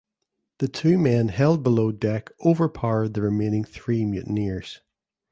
The two men held below deck overpowered the remaining three mutineers.